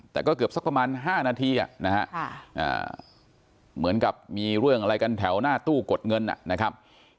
แต่ก็เกือบสักประมาณ๕นาทีนะฮะเหมือนกับมีเรื่องอะไรกันแถวหน้าตู้กดเงินนะครับ